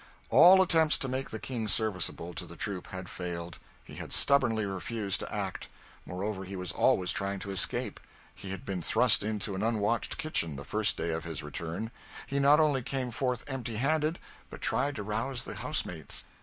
All attempts to make the King serviceable to the troop had failed. He had stubbornly refused to act; moreover, he was always trying to escape. He had been thrust into an unwatched kitchen, the first day of his return; he not only came forth empty handed, but tried to rouse the housemates.